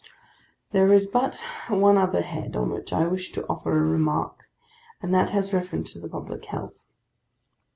There is but one other head on which I wish to offer a remark; and that has reference to the public health.